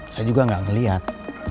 saya juga gak ngeliat